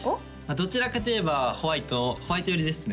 どちらかといえばホワイトホワイト寄りですね